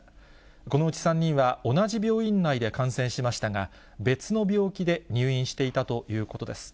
このうち３人は、同じ病院内で感染しましたが、別の病気で入院していたということです。